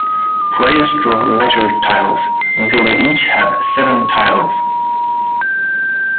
Players draw letter tiles until they each have seven tiles.